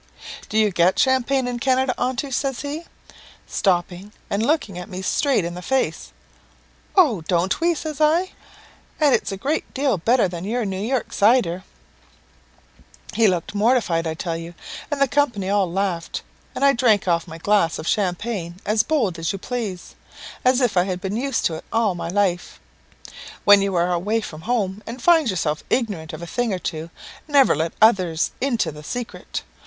"'Do you get champagne in Canada, Aunty?' says he, stopping and looking me straight in the face. "'Oh, don't we?' says I; 'and it's a great deal better than your New York cider.' "He looked mortified, I tell you, and the company all laughed; and I drank off my glass of champagne as bold as you please, as if I had been used to it all my life. When you are away from home, and find yourself ignorant of a thing or two, never let others into the secret.